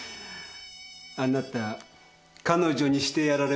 あなた彼女にしてやられましたね。